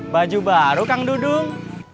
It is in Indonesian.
baju baru kang dudung